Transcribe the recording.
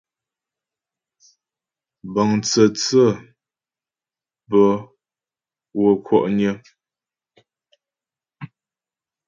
Bəŋ tsə̂tsě bə́ wə́ kwɔ'nyə.